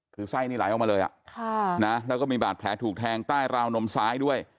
คือไส้นี่ไหลออกมาเลยแล้วก็มีบาดแผลถูกแทงใต้ราวนมซ้ายด้วย